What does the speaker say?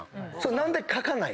何で書かない？